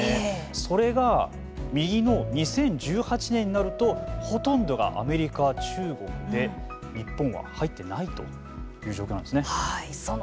それが右の２０１８年になるとほとんどがアメリカ、中国で日本は入ってないという状況なんですね。